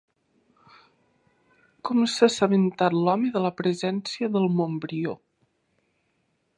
Com s'ha assabentat l'home de la presència d'en Montbrió?